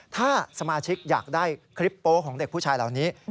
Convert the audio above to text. ถ้าสมาชิกอยากได้คลิปโป๊ของเด็กผู้ชายเหล่านี้